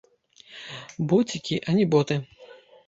Боцікі, а не боты.